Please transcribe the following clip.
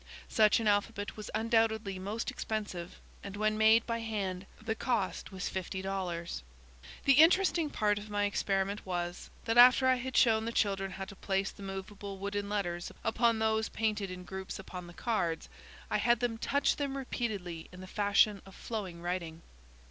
Such an alphabet was undoubtedly most expensive and when made by hand the cost was fifty dollars. The interesting part of my experiment was, that after I had shown the children how to place the movable wooden letters upon those painted in groups upon the cards, I had them touch them repeatedly in the fashion of flowing writing.